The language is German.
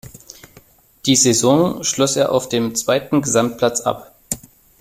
Die Saison schloss er auf dem zweiten Gesamtplatz ab.